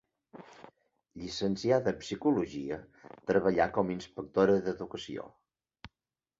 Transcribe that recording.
Llicenciada en psicologia, treballà com a inspectora d'educació.